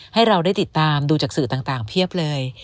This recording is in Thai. ให้เราได้ติดตามดูจากสื่อต่างเพียบเลย